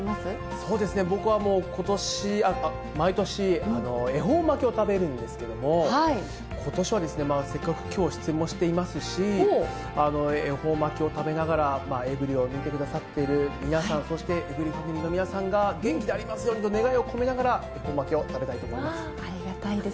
そうですね、僕は毎年、恵方巻きを食べるんですけれども、ことしはですね、せっかく、きょうは出演もしていますし、恵方巻を食べながらエブリィを見てくださっている皆さん、そしてエブリィファミリーの皆さんが元気でありますように願いながら、恵方巻を食べたいと思います。